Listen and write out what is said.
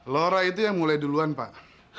lora itu yang mulai duluan pak